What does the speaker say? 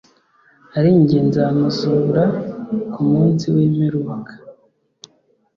arinjye nzamuzura ku munsi w'imperuka.